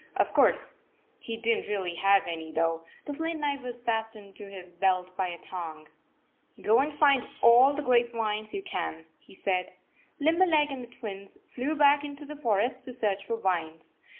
Of course, he did n t really have any, though. The flint knife was fas tened to his belt by a thong. " Go and find all the grape vines you can," he said. Limberleg and the Twins flew back into the forest to search for vines.